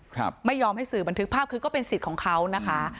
ไม่ยอมให้สื่อบันทึกภาพคือก็เป็นสิทธิ์ของเขานะคะ